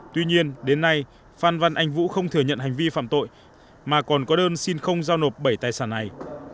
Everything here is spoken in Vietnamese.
tuy nhiên đến nay phan văn anh vũ không thừa nhận hành vi phạm tội mà còn có đơn xin không giao nộp bảy tài sản này